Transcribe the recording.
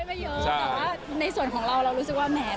ไม่เยอะแต่ว่าในส่วนของเราเรารู้สึกว่าแหม